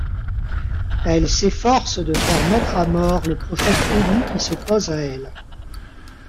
Elle s'efforce de faire mettre à mort le prophète Élie qui s'oppose à elle.